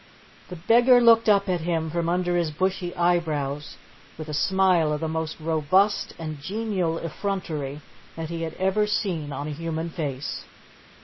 The beggar looked up at him from under his bushy eyebrows, with a smile of the most robust and genial effrontery that he had ever seen on a human face.